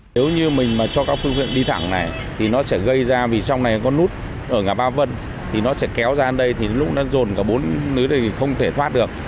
nếu như mình mà cho các phương tiện đi thẳng này thì nó sẽ gây ra vì trong này có nút ở ngã ba vân thì nó sẽ kéo ra đây thì lúc nó dồn cả bốn lứ không thể thoát được